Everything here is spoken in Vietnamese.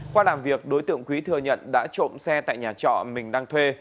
qua làm việc đối tượng quý thừa nhận đã trộm xe tại nhà trọ mình đang thuê